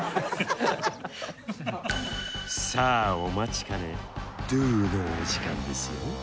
さあお待ちかねＤＯのお時間ですよ。